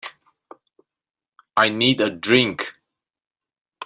I need a drink.